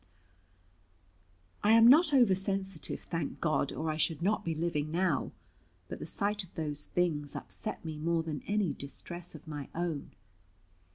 I am not over sensitive, thank God, or I should not be living now; but the sight of those things upset me more than any distress of my own.